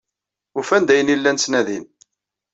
Ufan-d ayen ay llan ttnadin.